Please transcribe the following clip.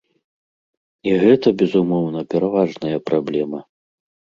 І гэта, безумоўна, пераважная праблема.